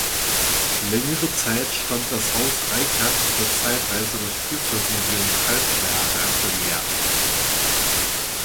Längere Zeit stand das Haus Reichert, das zeitweise das Spielzeugmuseum Calw beherbergte, leer.